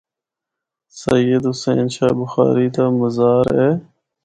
سید حسین شاہ بخاری دا مزار اے۔